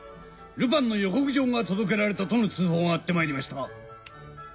ルパンの予告状が届けられたとの通報があってまいりました。